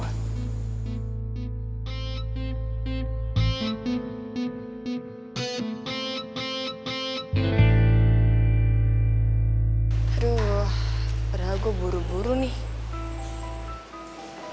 aduh padahal gue buru buru nih